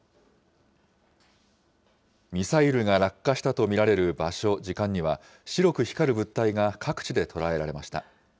ミサイルが落下したと見られる場所、時間には白く光る物体が、各地で捉えられました。